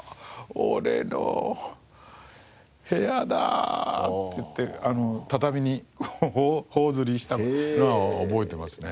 俺の部屋だ！って言って畳にこう頬ずりしたのは覚えてますね。